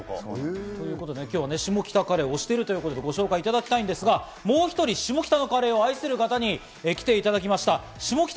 今日は下北カレーを推しているということで、紹介していただきたいんですが、もう１人、下北のカレーを愛している方に来ていただきました。